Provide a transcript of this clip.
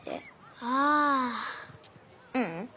あぁううん。